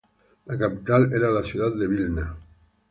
La capital era la ciudad de Vilna.